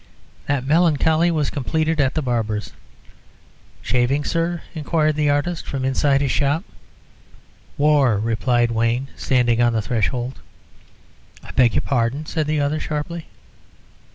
That melancholy was completed at the barber's. "Shaving, sir?" inquired that artist from inside his shop. "War!" replied Wayne, standing on the threshold. "I beg your pardon," said the other, sharply.